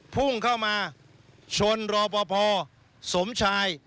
พุ่งเข้ามาชนรอปภสมชาย